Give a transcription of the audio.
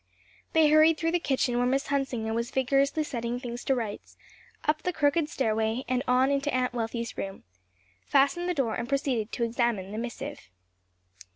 They hurried through the kitchen where Miss Hunsinger was vigorously setting things to rights, up the crooked stairway and on into Aunt Wealthy's room, fastened the door and proceeded to examine the missive.